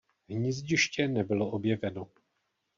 Hnízdiště nebylo objeveno.